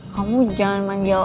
kamu jangan manggil lo gue